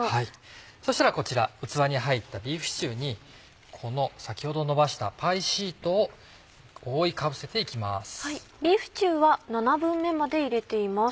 そしたらこちら器に入ったビーフシチューにこの先ほどのばしたパイシートを覆いかぶせて行きます。